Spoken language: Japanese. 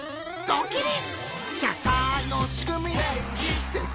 ドキリ！